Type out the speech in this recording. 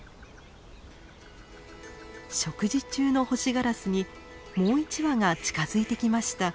食事中のホシガラスにもう一羽が近づいてきました。